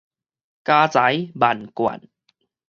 家財萬貫